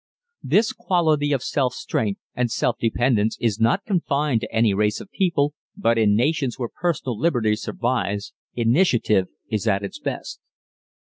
_ This quality of self strength and self dependence is not confined to any race of people, but in nations where personal liberty survives initiative is at its best.